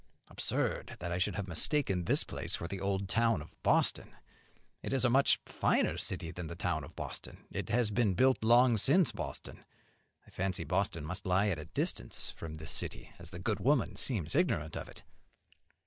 Absurd, that I should have mistaken this place for the old town of Boston! It is a much finer city than the town of Boston. It has been built long since Boston. I fancy Boston must lie at a distance from this city, as the good woman seems ignorant of it."